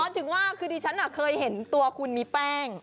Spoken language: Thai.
ถึงว่าคือดิฉันเคยเห็นตัวคุณมีแป้ง